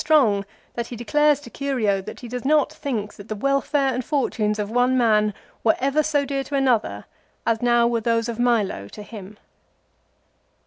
strong that he declares to Curio that he does not think that the welfare and fortunes of one man were ever so dear to another as now were those of Milo to him.